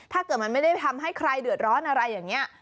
ถ้าเกิดมันไม่ได้ทำให้ใครเดือดร้อนอะไรอย่างนี้